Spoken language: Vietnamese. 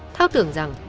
thao tưởng rằng